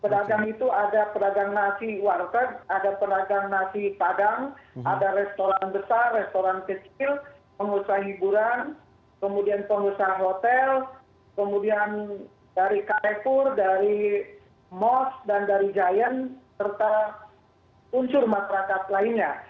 pedagang itu ada pedagang nasi warteg ada pedagang nasi padang ada restoran besar restoran kecil pengusaha hiburan kemudian pengusaha hotel kemudian dari kalekur dari mos dan dari giant serta unsur masyarakat lainnya